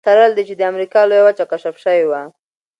سره له دې چې امریکا لویه وچه کشف شوې وه.